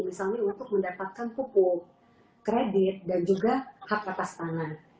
misalnya untuk mendapatkan pupuk kredit dan juga hak atas tanah